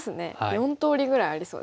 ４通りぐらいありそうですね。